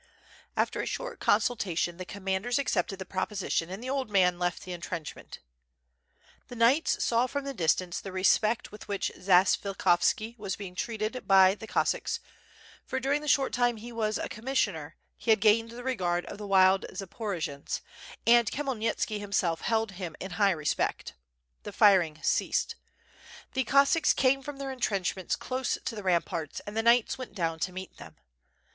After a short consultation the commanders ac cepted the proposition and the old man left the entrench ments. The knights saw from the distance the respect with which Zatsvilikhovski was treated by the Cossacks; for during the short time he was a commissioner, he had gained the regard of the wild Zaporojians, and Khmyelnitski himself held him in high respect. The firing ceased. The Cossacks came from their entrenchments close to the ramparts, and the knights went down to meet them.